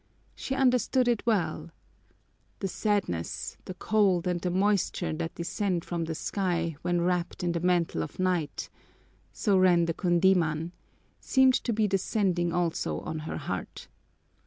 She understood it well: "The sadness, the cold, and the moisture that descend from the sky when wrapped in the mantle of night," so ran the kundíman, seemed to be descending also on her heart.